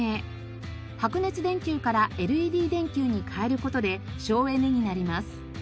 白熱電球からＬＥＤ電球に替える事で省エネになります。